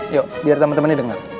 ayo biar temen temennya denger